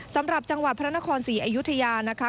สำหรับจังหวัดพระนครศรีอยุธยานะคะ